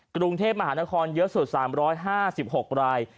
กรุงเทพมหานครเยอะสุด๓๕๖ราย